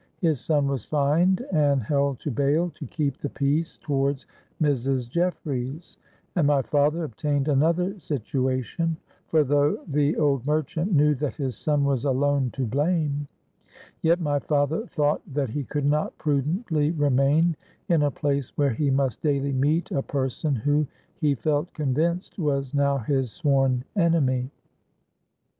His son was fined and held to bail to keep the peace towards Mrs. Jeffreys; and my father obtained another situation—for though the old merchant knew that his son was alone to blame, yet my father thought that he could not prudently remain in a place where he must daily meet a person who, he felt convinced, was now his sworn enemy.